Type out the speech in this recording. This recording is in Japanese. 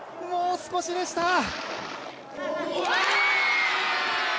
もう少しでした。